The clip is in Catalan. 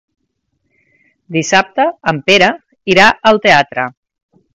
Dissabte en Pere irà al teatre.